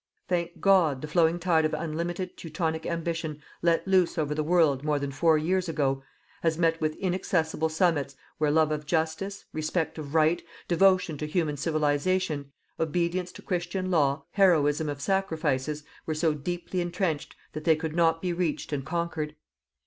Thank God, the flowing tide of unlimited Teutonic ambition let loose over the world, more than four years ago, has met with inaccessible summits where love of Justice, respect of Right, devotion to human Civilization, obedience to Christian Law, heroism of sacrifices, were so deeply entrenched, that they could not be reached and conquered.